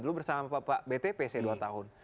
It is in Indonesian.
dulu bersama bapak btp saya dua tahun